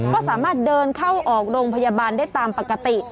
ก็สามารถเดินเข้าออกโรงพยาบาลได้ตามปกติ